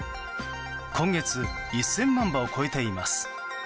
今月、１０００万羽を超えています。